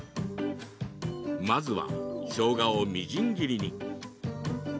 まずは、しょうがをみじん切りに。